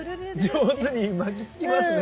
上手に巻きつきますね。